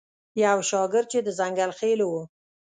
یو شاګرد چې د ځنګل خیلو و.